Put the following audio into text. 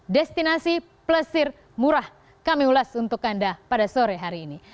destinasi plesir murah kami ulas untuk anda pada sore hari ini